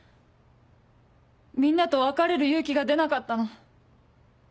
みんなと別れる勇気が出なかったの。